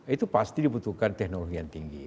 itu pasti dibutuhkan teknologi yang tinggi